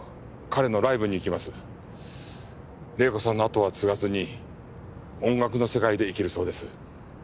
玲子さんの後は継がずに音楽の世界で生きるそうです。